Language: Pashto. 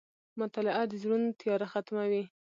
• مطالعه د زړونو تیاره ختموي.